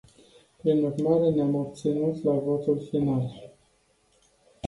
Prin urmare, ne-am abținut la votul final.